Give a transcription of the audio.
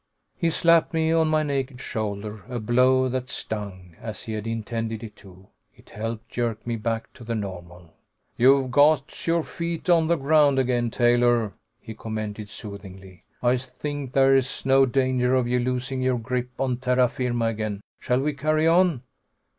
He slapped me on my naked shoulder, a blow that stung, as he had intended it to. It helped jerk me back to the normal. "You've got your feet on the ground again, Taylor," he commented soothingly. "I think there's no danger of you losing your grip on terra firma again. Shall we carry on?"